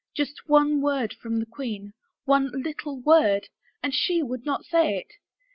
Just one word from the queen — one little word! And she would not say it!